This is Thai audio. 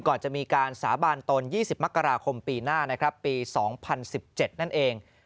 ก่อนจะมีการสาบานตน๒๐มกราคมปีหน้านะครับปี๒๐๑๗นั่นเอง